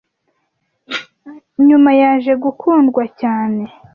nyuma yaje gukundwa cyane